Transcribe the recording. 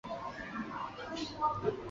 她出生在京都府京都市。